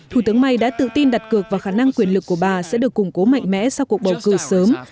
thủ tướng may đã tự tin đặt cược và khả năng quyền lực của bà sẽ được củng cố mạnh mẽ sau cuộc bầu cử sớm